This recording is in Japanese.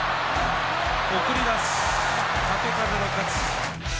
送り出し、豪風の勝ち。